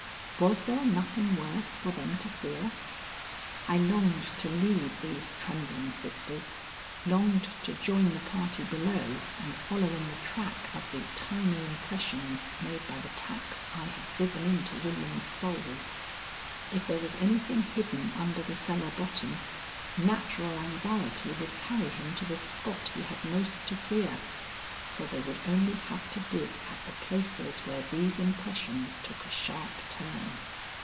Was there nothing worse for them to fear? I longed to leave these trembling sisters, longed to join the party below and follow in the track of the tiny impressions made by the tacks I had driven into William's soles. If there was anything hidden under the cellar bottom, natural anxiety would carry him to the spot he had most to fear; so they would only have to dig at the places where these impressions took a sharp turn.